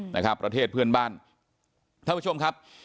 นะครับประเทศเพื่อนบ้านท่านผู้ชมครับ